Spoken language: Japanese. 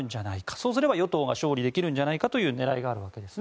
そうすれば与党が勝利できるんじゃないかという狙いがあるわけです。